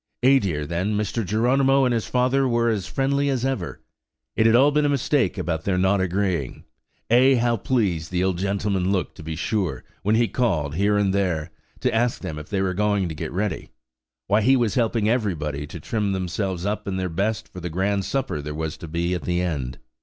"Eh dear, then, Mr. Geronimo and his father were as friendly as ever! It had all been a mistake about their not agreeing. Eh, how pleased the old gentleman looked, to be sure, when he called, here and there, to ask them if they were going to get ready! Why, he was helping everybody to trim themselves up in their best for the grand supper there was to be at the end.